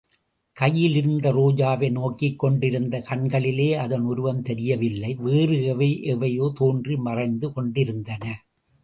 கையிலிருந்த ரோஜாவை நோக்கிக் கொண்டிருந்த கண்களிலே அதன் உருவம் தெரியவில்லை, வேறு எவை எவையோ தோன்றி மறைந்து கொண்டிருந்தன.